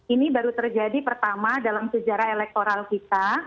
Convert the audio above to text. ini baru terjadi pertama dalam sejarah elektoral kita